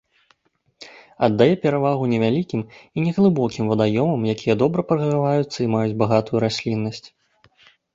Аддае перавагу невялікім і неглыбокім вадаёмам, якія добра праграваюцца і маюць багатую расліннасць.